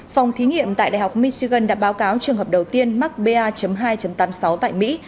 phòng thí nghiệm tại đại học michigan đã báo cáo trường hợp đầu tiên mắc ba hai tám mươi sáu tại mỹ